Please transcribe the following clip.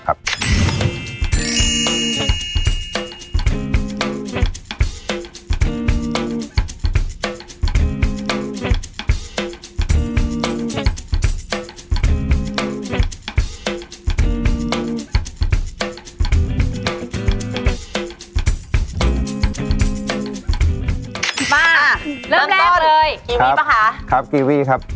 ครับกีวีครับ